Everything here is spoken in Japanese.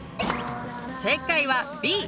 正解はＢ！